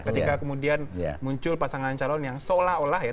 ketika kemudian muncul pasangan calon yang seolah olah ya